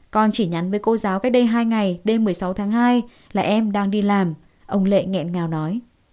con chỉ nhắn với cô giáo cách đây hai ngày đêm một mươi sáu tháng hai là em đang đi làm ông lệ nghẹn ngào nói